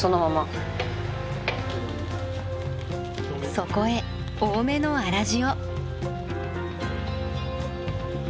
そこへ多めの粗塩。